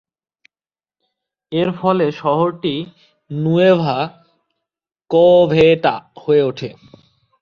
এর ফলে শহরটি নুয়েভা কোভেটা হয়ে ওঠে।